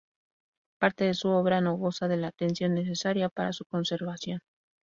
Parte de su obra no goza de la atención necesaria para su conservación.